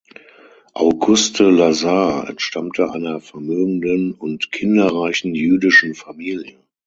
Auguste Lazar entstammte einer vermögenden und kinderreichen jüdischen Familie.